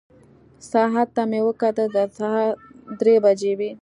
ساعت ته مې وکتل، د سهار درې بجې وې.